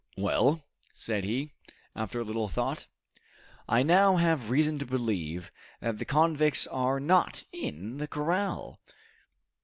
"Well," said he, after a little thought, "I now have reason to believe that the convicts are not in the corral."